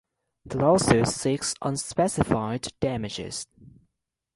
The lawsuit seeks unspecified damages.